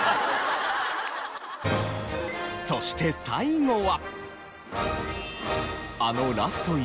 そして最後は。